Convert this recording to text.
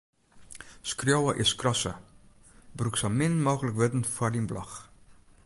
Skriuwe is skrasse: brûk sa min mooglik wurden foar dyn blog.